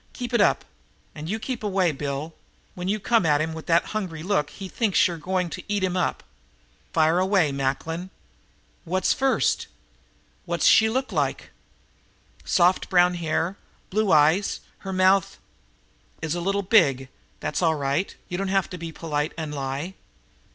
"Keep it up, and you keep away, Bill. When you come at him with that hungry look he thinks you're going to eat him up. Fire away, Macklin." "What first?" "What's she look like?" "Soft brown hair, blue eyes, her mouth " "Is a little big. That's all right. You don't have to be polite and lie.